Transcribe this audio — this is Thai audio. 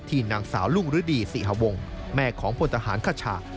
ที่นางสาวรุ่งฤดีสี่ฮวงแม่ของพลธหารกระชา